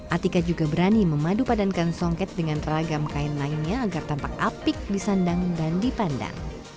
attika juga berani memadu padankan songket dengan teragam kain lainnya agar tampak apik di sandang dan dipandang